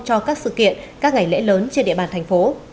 cho các sự kiện các ngày lễ lớn trên địa bàn thành phố